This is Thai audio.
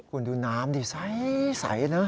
คุณดูน้ำดิใสนะ